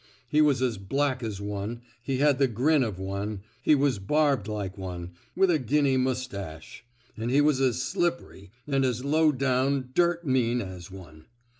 He was as black as one; he had the grin of one; he was barbed like one, with a Guinny mustache; and he was as slippery, and as low down, dirt mean as one.